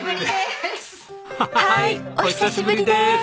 はーいお久しぶりです！